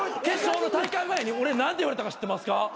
決勝の大会前に俺何て言われたか知ってますか？